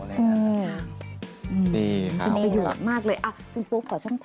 คือนี้หยุดมากเลยปุ๊บขอช่องทางหน่อยค่ะ